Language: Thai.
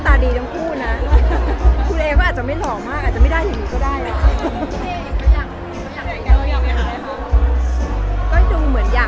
แต่ก็ไม่ทำไมยังไม่ได้แต่งก็ไม่รู้อ่ะ